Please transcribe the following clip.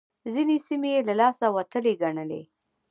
ځينې سيمې يې له لاسه وتلې ګڼلې.